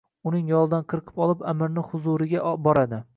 Uning yolidan qirqib olib amirni huzuriga boradi.